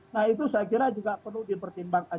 nah itu saya kira juga perlu dipertimbangkan